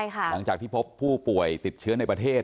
หลังจากที่พบผู้ป่วยติดเชื้อในประเทศ